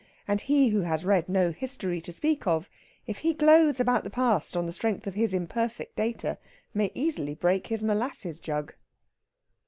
And he who has read no history to speak of, if he glows about the past on the strength of his imperfect data, may easily break his molasses jug.